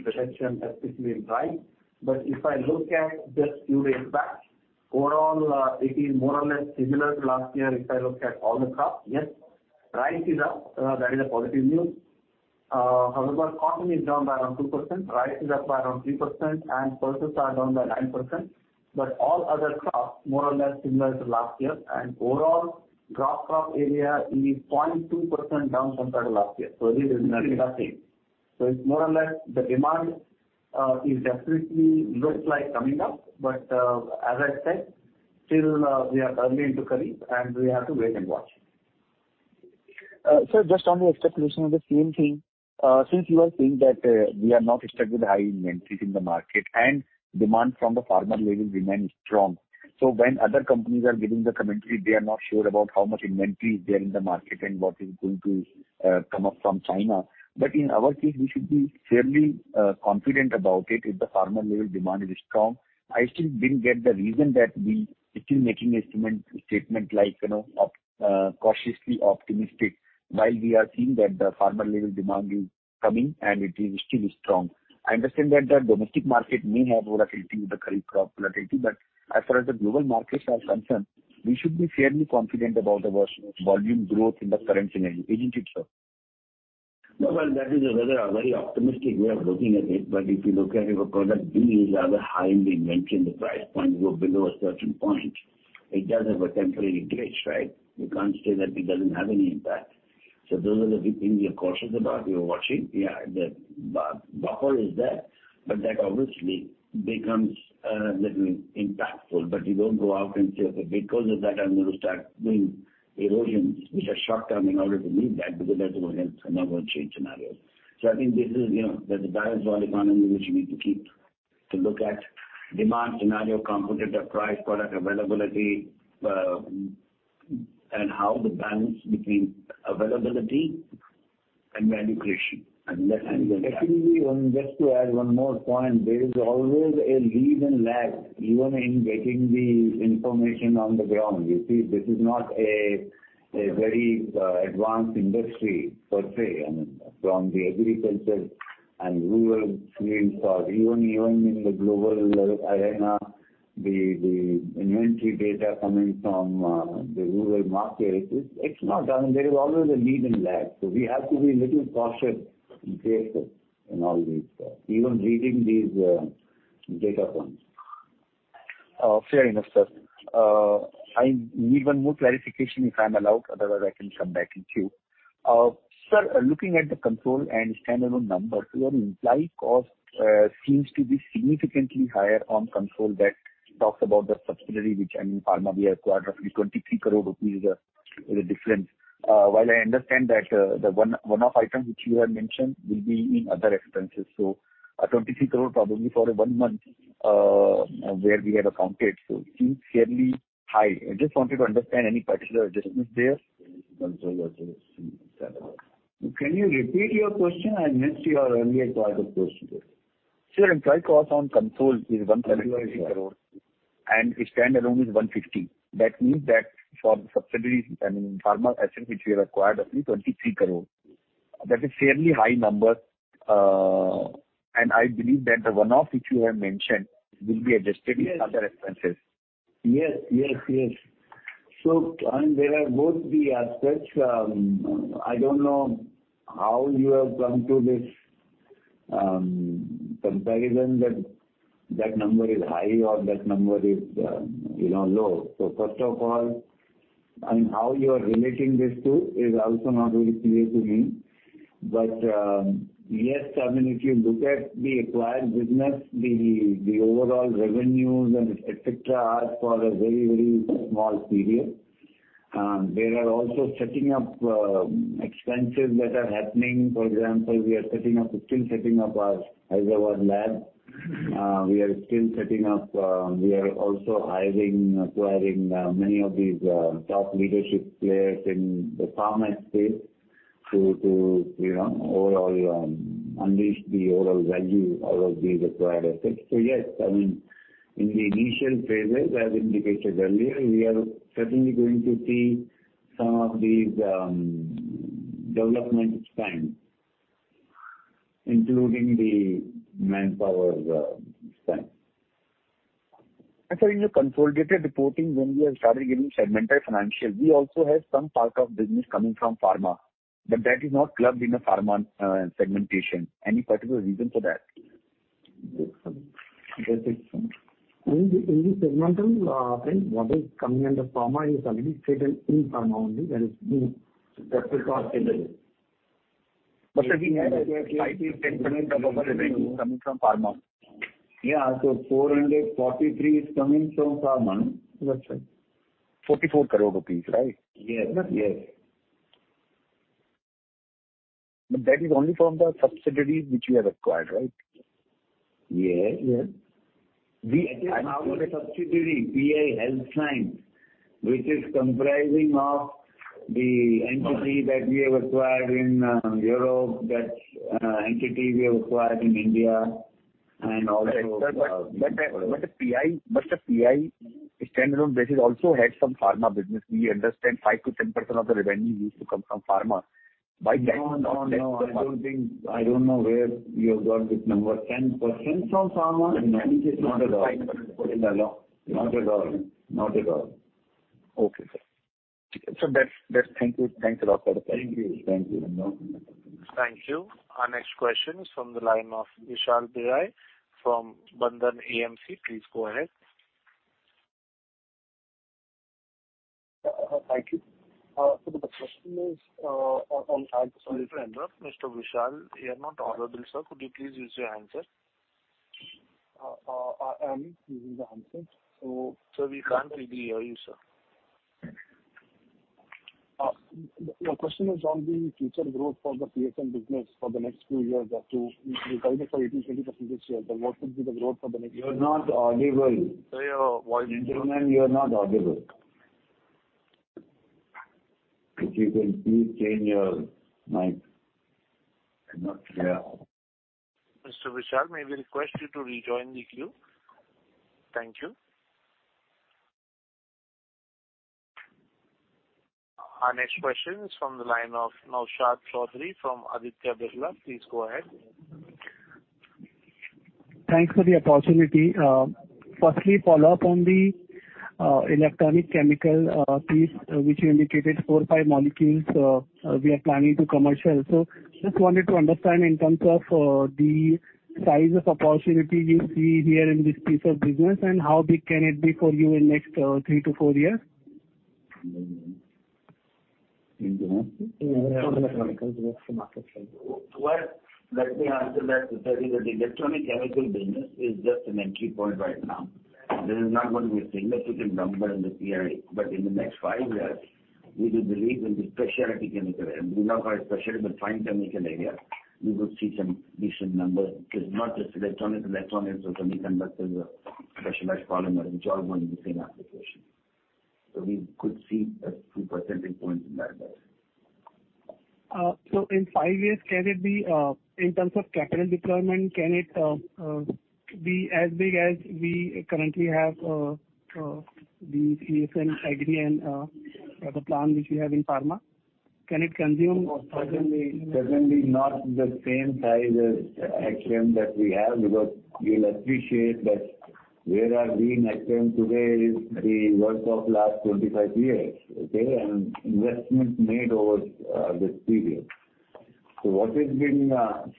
reduction, especially in rice. If I look at the pure impact, overall, it is more or less similar to last year, if I look at all the crops. Rice is up. That is a positive news. However, cotton is down by around 2%, rice is up by around 3%, and pulses are down by 9%. All other crops, more or less similar to last year, and overall, drought crop area is 0.2% down compared to last year. This is nothing. It's more or less the demand, is definitely looks like coming up, but, as I said, still, we are early into Kharif, and we have to wait and watch. Sir, just on the extrapolation of the same thing, since you are saying that we are not stuck with high inventories in the market and demand from the farmer level remains strong. When other companies are giving the commentary, they are not sure about how much inventory is there in the market and what is going to come up from China. In our case, we should be fairly confident about it, if the farmer level demand is strong. I still didn't get the reason that we still making a statement, statement like, you know, cautiously optimistic, while we are seeing that the farmer level demand is coming and it is still strong. I understand that the domestic market may have over 50 with the Kharif crop volatility, but as far as the global markets are concerned, we should be fairly confident about the volume growth in the current scenario, isn't it, sir? No, well, that is a rather, a very optimistic way of looking at it. If you look at it, because that being rather high in the inventory and the price point go below a certain point, it does have a temporary glitch, right? You can't say that it doesn't have any impact. Those are the things we are cautious about. We are watching. Yeah, the buffer is there, but that obviously becomes little impactful. You don't go out and say, "Okay, because of that, I'm going to start doing erosions, which are short-term in order to meet that," because that's not gonna help, not gonna change scenarios. I think this is, you know, there's a balance while economy which you need to keep, to look at demand scenario, competitive price, product availability, and how the balance between availability and value creation. Actually, just to add one more point, there is always a lead and lag even in getting the information on the ground. You see, this is not a, a very advanced industry per se, I mean, from the agriculture and rural streams or even, even in the global arena, the, the inventory data coming from, the rural markets, it's, it's not. I mean, there is always a lead and lag, so we have to be a little cautious and careful in all these, even reading these data points. Oh, fair enough, sir. I need one more clarification, if I'm allowed, otherwise I can come back in queue. Sir, looking at the control and standalone numbers, your implied cost seems to be significantly higher on control that talks about the subsidiary, which I mean, pharma, we acquired roughly 23 crore rupees is a difference. While I understand that, the one-off item which you have mentioned will be in other expenses. A 23 crore probably for one month, where we had accounted, it seems fairly high. I just wanted to understand any particular adjustment there? Can you repeat your question? I missed your earlier part of question. Sir, implied cost on control is 180 crore, and standalone is 150 crore. That means that for the subsidiaries, pharma asset, which we have acquired, roughly 23 crore. That is fairly high number. I believe that the one-off, which you have mentioned, will be adjusted in other expenses. Yes. Yes, yes. There are both the aspects. I don't know how you have come to this comparison that, that number is high or that number is, you know, low. First of all, how you are relating this to is also not very clear to me. Yes, if you look at the acquired business, the overall revenues and et cetera, are for a very, very small period. There are also setting up expenses that are happening. For example, we are setting up, still setting up our Hyderabad lab. We are still setting up, we are also hiring, acquiring, many of these, top leadership players in the pharma space to, to, you know, overall, unleash the overall value out of the acquired assets. Yes, I mean, in the initial phases, as indicated earlier, we are certainly going to see some of these, development spend, including the manpower, spend. Sir, in the consolidated reporting, when we have started giving segmental financials, we also have some part of business coming from pharma, but that is not clubbed in the pharma segmentation. Any particular reason for that? In the, in the segmental thing, what is coming under pharma is already stated in pharma only, that is- That is our subsidiary. We had like 5%-10% of our revenue coming from pharma. Yeah. 443 is coming from pharma. That's right. 44 crore rupees, right? Yes, yes. That is only from the subsidiaries which you have acquired, right? Yes, yes. The subsidiary, PI Health Sciences, which is comprising of the entity that we have acquired in Europe, that entity we have acquired in India, and also- The, but the PI, but the PI standalone basis also had some pharma business. We understand 5%-10% of the revenue used to come from pharma. By- No, no, no. I don't think... I don't know where you have got this number. 10% from pharma? No, not at all. Not at all. Not at all. Okay, sir. That's, that's... Thank you. Thanks a lot for the time. Thank you. Thank you. Thank you. Our next question is from the line of Vishal Biraia from Bandhan AMC. Please go ahead. Thank you. The question is, on-. Sorry to interrupt, Mr. Vishal, you are not audible, sir. Could you please use your handset? I am using the handset. Sir, we can't really hear you, sir. The question is on the future growth for the PSN business for the next few years or so. If you guide us for 18%, 20% this year, then what would be the growth for the next-? You're not audible. Sir, your voice- Gentleman, you're not audible. If you can please change your mic. I'm not clear. Mr. Vishal, may we request you to rejoin the queue? Thank you. Our next question is from the line of Naushad Chaudhary from Aditya Birla. Please go ahead. Thanks for the opportunity. Firstly, follow up on the electronic chemical piece, which you indicated 4, 5 molecules, we are planning to commercial. Just wanted to understand in terms of the size of opportunity you see here in this piece of business, and how big can it be for you in next three to four years? In the market? In the electronic market size. Well, let me answer that. To tell you that the electronic chemical business is just an entry point right now. This is not going to be a significant number in the year, but in the next five years, we do believe in the specialty chemical, and we now have a specialty but fine chemical area, we will see some decent numbers. Not just electronics, electronics or semiconductors or specialized polymer, which all going to be same application. We could see a few percentage points in that area. In 5 years, can it be, in terms of capital deployment, can it be as big as we currently have, the PSN, Agri and the plan which you have in pharma? Can it consume? Certainly, certainly not the same size as Agrium that we have, because you'll appreciate that where are we in Agrium today is the work of last 25 years, okay? Investments made over this period. What is being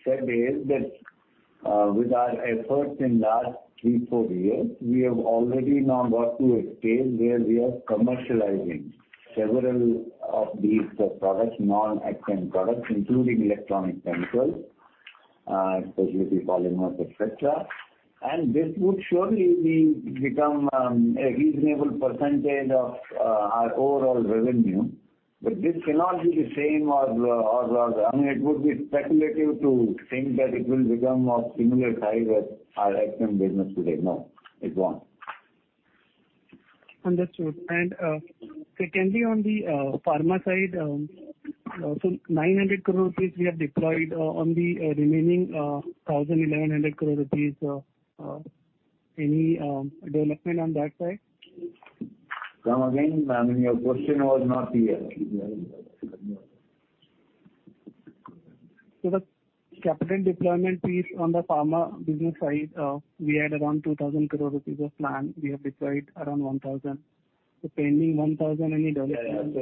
said is that with our efforts in last three, four years, we have already now got to a stage where we are commercializing several of these products, non-ACM products, including electronic chemicals, specialty polymers, et cetera. This would surely become a reasonable % of our overall revenue. This cannot be the same or, or I mean, it would be speculative to think that it will become of similar size as our CSM business today. No, it won't. Understood. Secondly, on the pharma side, so 900 crore rupees we have deployed, on the remaining 1,000 crore, 1,100 crore rupees. Any development on that side? Come again, I mean, your question was not clear. The capital deployment piece on the pharma business side, we had around 2,000 crore rupees of plan. We have deployed around 1,000. The pending 1,000, any development?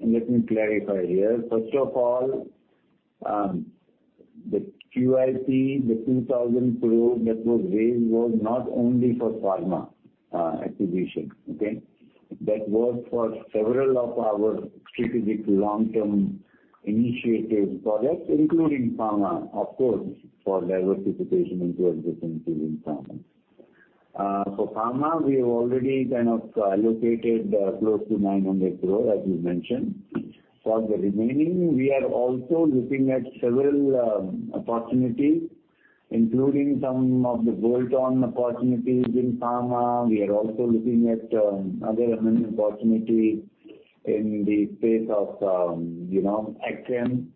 Let me clarify here. First of all, the QIP, the 2,000 crore that was raised was not only for pharma acquisition. That was for several of our strategic long-term initiative products, including pharma, of course, for diversification into other things including pharma. For pharma, we have already allocated close to 900 crore, as you mentioned. For the remaining, we are also looking at several opportunities, including some of the bolt-on opportunities in pharma. We are also looking at other opportunities in the space of, you know, CSM,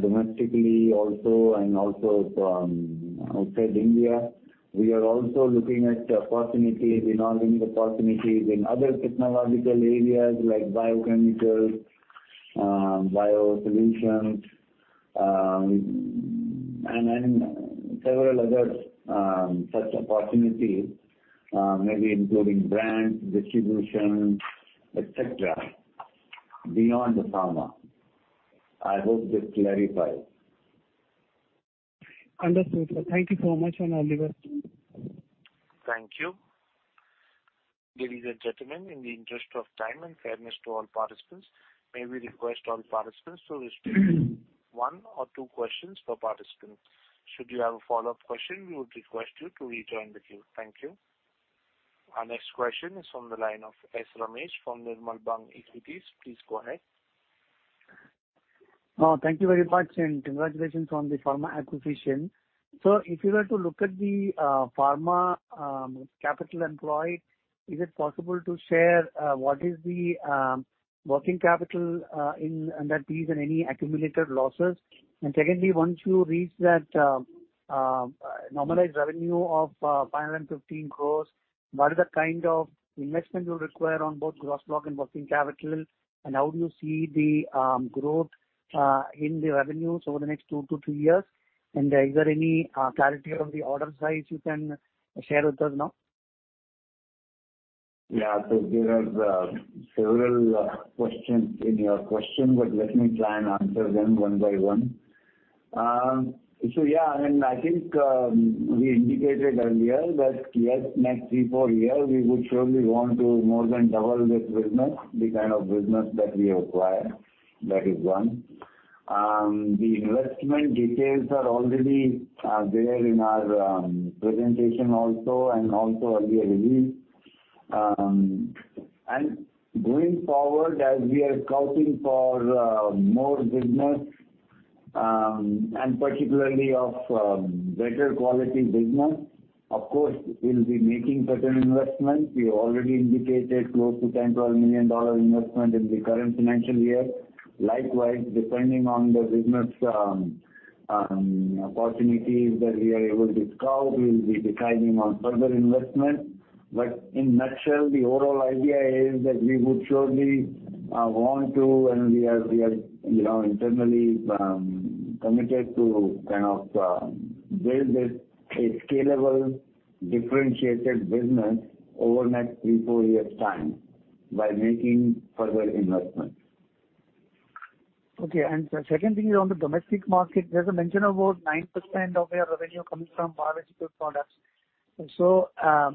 domestically also and also from outside India. We are also looking at opportunities in organic opportunities in other technological areas like biochemicals, bio solutions, and several other such opportunities, maybe including brand, distribution, et cetera, beyond the pharma. I hope this clarifies. Understood, sir. Thank you so much, and all the best. Thank you. There is a gentleman in the interest of time and fairness to all participants. May we request all participants to restrict it one or two questions per participant. Should you have a follow-up question, we would request you to rejoin the queue. Thank you. Our next question is from the line of Ramesh Sankaranarayanan from Nirmal Bang Equities. Please go ahead. Thank you very much, and congratulations on the pharma acquisition. If you were to look at the pharma capital employed, is it possible to share what is the working capital in, under these and any accumulated losses? Secondly, once you reach that normalized revenue of 515 crore, what is the kind of investment you'll require on both gross block and working capital? How do you see the growth in the revenues over the next 2-3 years? Is there any clarity on the order size you can share with us now? Yeah, there are several questions in your question, but let me try and answer them one by one. Yeah, I think we indicated earlier that, yes, next three, four years, we would surely want to more than double this business, the kind of business that we acquire. That is one. The investment details are already there in our presentation also and also earlier released. Going forward, as we are scouting for more business, and particularly of better quality business, of course, we'll be making certain investments. We already indicated close to $10 million-$11 million investment in the current financial year. Likewise, depending on the business opportunities that we are able to scout, we will be deciding on further investment. In nutshell, the overall idea is that we would surely want to, and we are, we are, you know, internally, committed to kind of, build this a scalable, differentiated business over the next three, four years' time by making further investments. Okay. The second thing is on the domestic market, there's a mention about 9% of your revenue coming from biological products. How,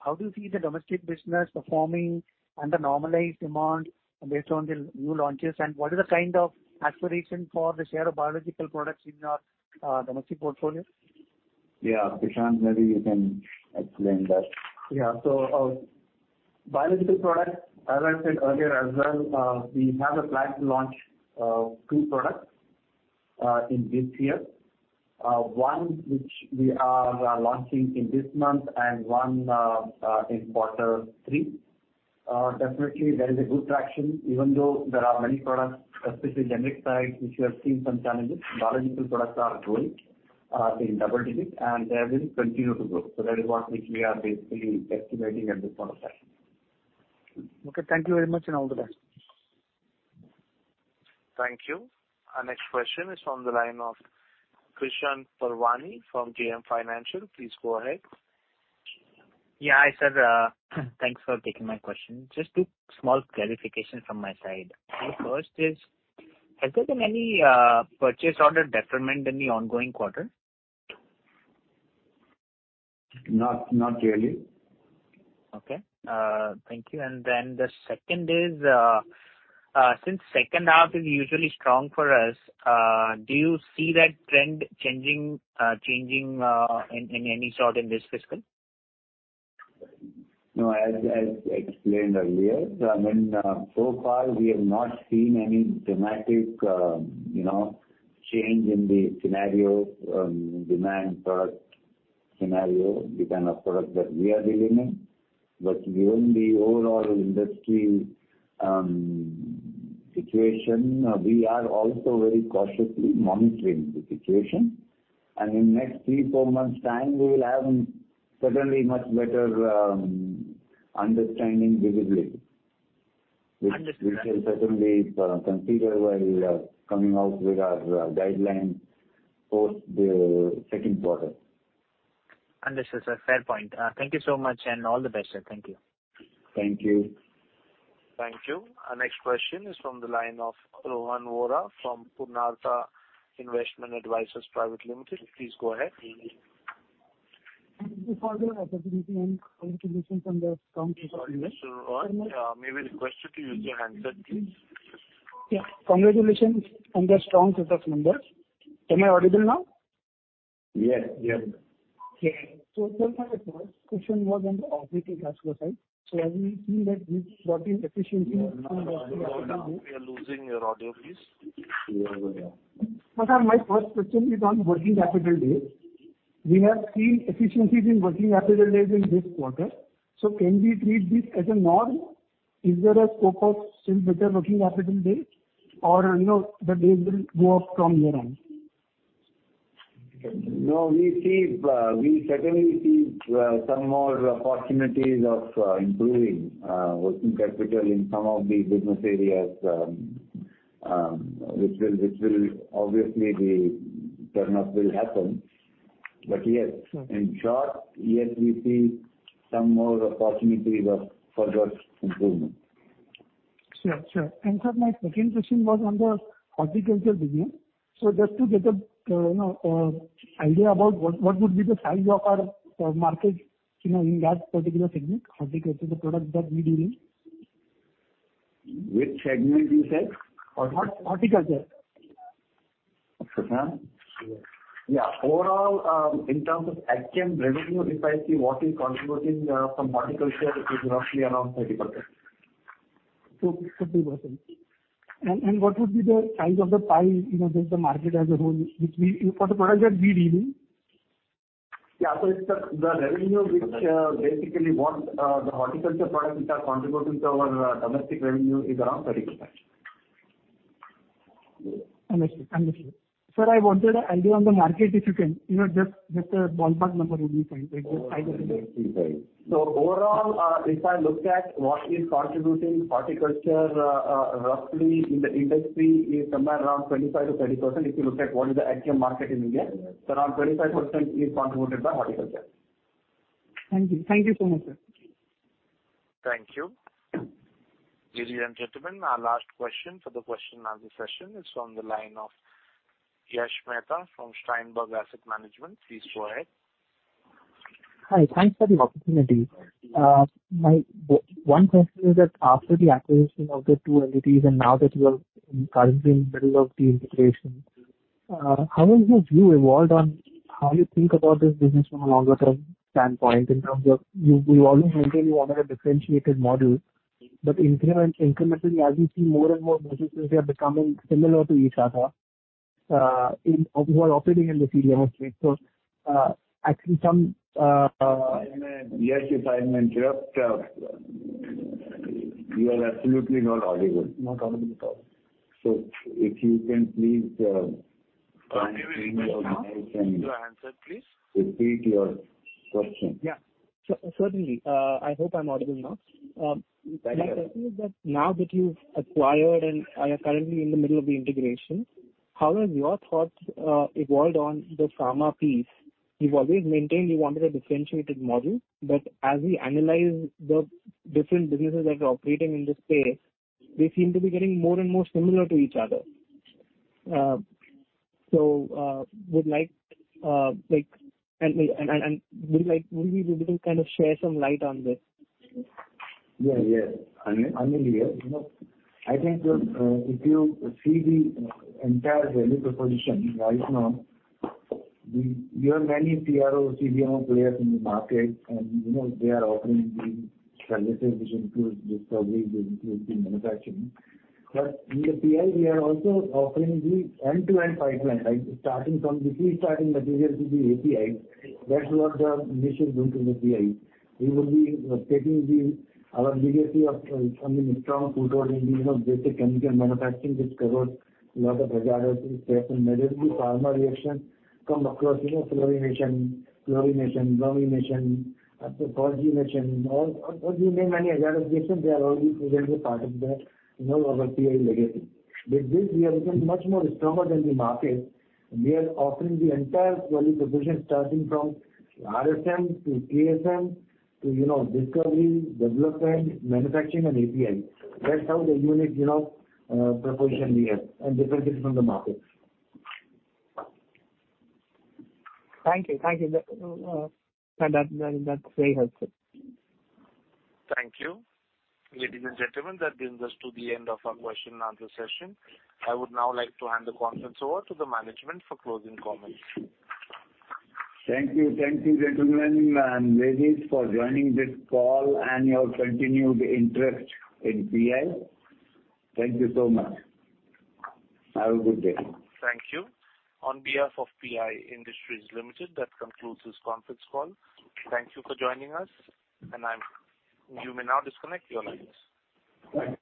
how do you see the domestic business performing and the normalized demand based on the new launches? What is the kind of aspiration for the share of biological products in your domestic portfolio? Yeah, Prashant, maybe you can explain that. Yeah. Biological products, as I said earlier as well, we have a plan to launch 2 products in this year. 1 which we are launching in this month and one in quarter three. Definitely there is a good traction, even though there are many products, especially generic side, which we have seen some challenges. Biological products are growing in double digits, and they will continue to grow. That is what which we are basically estimating at this point of time. Okay, thank you very much, and all the best. Thank you. Our next question is from the line of Krishan Parwani from JM Financial. Please go ahead. Yeah, hi, sir. Thanks for taking my question. Just two small clarifications from my side. The first is, has there been any purchase order detriment in the ongoing quarter? Not, not really. Okay, thank you. The second is, since second half is usually strong for us, do you see that trend changing, changing, in any sort in this fiscal? No, as, as explained earlier, I mean, so far we have not seen any dramatic, you know, change in the scenario, demand product scenario, the kind of product that we are dealing in. Given the overall industry, situation, we are also very cautiously monitoring the situation, and in next three, four months' time, we will have certainly much better, understanding, visibility. Understood, sir. Which we shall certainly consider while coming out with our guideline for the second quarter. Understood, sir. Fair point. Thank you so much, and all the best, sir. Thank you. Thank you. Thank you. Our next question is from the line of Rohan Vora from Purnartha Investment Advisers Private Limited. Please go ahead. Before the opportunity and congratulations on the strong- Sorry, Mr. Vora, may we request you to use your handset, please? Congratulations on the strong set of numbers. Am I audible now? Yes, yes. Okay. My first question was on the organic side. Have you seen that working efficiency- We are losing your audio, please. Yeah. Sir, my first question is on working capital days. We have seen efficiencies in working capital days in this quarter, so can we treat this as a norm? Is there a scope of still better working capital days, or, you know, the days will go up from here on? No, we see, we certainly see, some more opportunities of improving, working capital in some of the business areas, which will, which will obviously the turn up will happen. Yes, in short, yes, we see some more opportunities of further improvement. Sure, sure. Sir, my second question was on the horticulture business. Just to get a, you know, idea about what, what would be the size of our market, you know, in that particular segment, horticulture, the product that we're dealing? Which segment you said? Horticulture. Okay. Huh? Yeah, overall, in terms of AGM revenue, if I see what is contributing, from horticulture, it is roughly around 30%. 30%. What would be the size of the pie, you know, the market as a whole, which we, for the product that we're dealing? The, the revenue which, basically what, the horticulture products are contributing to our domestic revenue is around 30%. Understood. Understood. Sir, I wanted an idea on the market, if you can. You know, just, just a ballpark number would be fine, like just size of the market. Overall, if I look at what is contributing horticulture, roughly in the industry is somewhere around 25%-30%. If you look at what is the Agchem market in India, around 25% is contributed by horticulture. Thank you. Thank you so much, sir. Thank you. Ladies and gentlemen, our last question for the question and answer session is from the line of Yash Mehta from Steinberg Asset Management. Please go ahead. Hi. Thanks for the opportunity. One question is that after the acquisition of the two entities, now that you are currently in the middle of the integration, how has your view evolved on how you think about this business from a longer-term standpoint in terms of you, you always maintain you want a differentiated model, but incrementally, as we see more and more businesses, they are becoming similar to each other, in, who are operating in the field industry? Actually some, Yes, if I may interrupt, you are absolutely not audible. Not audible at all. If you can please, turn your mic and... Your handset, please. Repeat your question. Yeah. Certainly, I hope I'm audible now. Better. My question is that, now that you've acquired and are currently in the middle of the integration, how have your thoughts, evolved on the pharma piece? You've always maintained you wanted a differentiated model, but as we analyze the different businesses that are operating in this space, they seem to be getting more and more similar to each other. Would you be able to kind of shed some light on this? Yeah, yeah. I mean, yeah, you know, I think, if you see the entire value proposition right now, we, we have many CRO, CDMO players in the market, and, you know, they are offering the services, which includes discovery, which includes the manufacturing. In the PI, we are also offering the end-to-end pipeline, right, starting from the pre-starting material to the API. That's what the initiative is going to the PI. We will be taking the, our legacy of, I mean, strong footwork in the, you know, basic chemical manufacturing, which covers a lot of reactions, medical, pharma reaction come across, you know, fluorination, chlorination, bromination, oxidation. All, all the many reactions, they are all the present part of the, you know, our PI legacy. With this, we have become much more stronger than the market. We are offering the entire value proposition, starting from RSM to TSM to, you know, discovery, development, manufacturing, and API. That's how the unique, you know, proposition we have and different from the market. Thank you. Thank you. That, that's very helpful. Thank you. Ladies and gentlemen, that brings us to the end of our question and answer session. I would now like to hand the conference over to the management for closing comments. Thank you. Thank you, gentlemen and ladies, for joining this call and your continued interest in PI. Thank you so much. Have a good day. Thank you. On behalf of PI Industries Limited, that concludes this conference call. Thank you for joining us. You may now disconnect your lines. Bye.